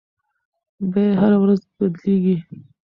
بیې هره ورځ بدلیږي.